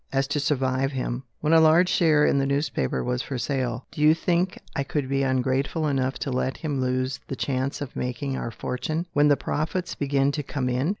as to survive him. When a large share in the newspaper was for sale, do you think I could be ungrateful enough to let him lose the chance of making our fortune, when the profits begin to come in?